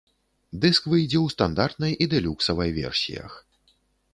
Дыск выйдзе ў стандартнай і дэлюксавай версіях.